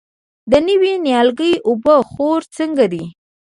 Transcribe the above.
د نوي نیالګي اوبه خور څنګه دی؟